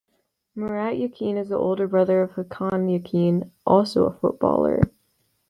Murat Yakin is the older brother of Hakan Yakin, also a footballer.